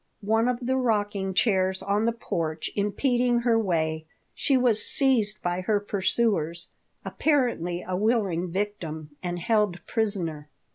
One of the rocking chairs on the porch impeding her way, she was seized by her pursuers, apparently a willing victim, and held prisoner.